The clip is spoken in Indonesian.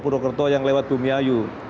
pudokerto yang lewat bumiayu